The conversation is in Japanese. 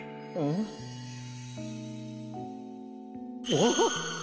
あっ！